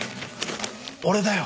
俺だよ！